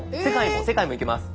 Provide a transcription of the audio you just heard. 世界も行けます。